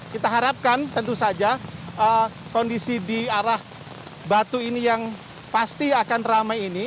kita harapkan tentu saja kondisi di arah batu ini yang pasti akan ramai ini